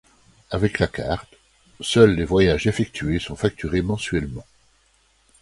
Avec la carte, seuls les voyages effectués sont facturés, mensuellement.